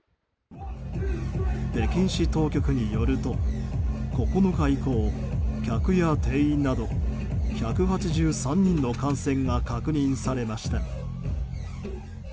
北京市当局によると９日以降客や店員など、１８３人の感染が確認されました。